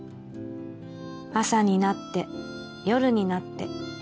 「朝になって夜になって」